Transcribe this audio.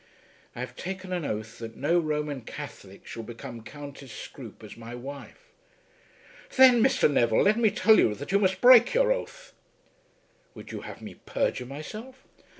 "I have taken an oath that no Roman Catholic shall become Countess Scroope as my wife." "Then, Mr. Neville, let me tell you that you must break your oath." "Would you have me perjure myself?"